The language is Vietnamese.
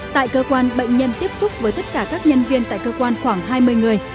tại cơ quan bệnh nhân tiếp xúc với tất cả các nhân viên tại cơ quan khoảng hai mươi người